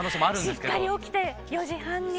しっかり起きて４時半に。